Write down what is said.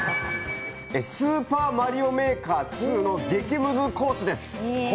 「スーパーマリオメーカー２」の激ムズコースです。